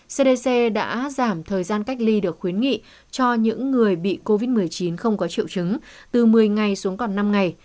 cdc đã giảm thời gian cách ly được khuyến nghị cho những người bị covid một mươi chín không có triệu chứng từ một mươi ngày xuống còn năm ngày